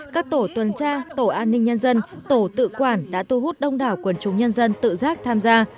các tổ tuần tra tổ an ninh nhân dân tổ tự quản đã thu hút đông đảo quần chúng nhân dân tự giác tham gia